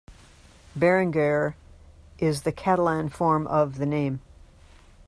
Berenguer is the Catalan form of the name.